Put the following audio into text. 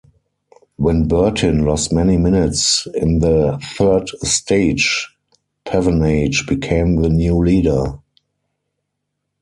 When Bertin lost many minutes in the third stage, Pevenage became the new leader.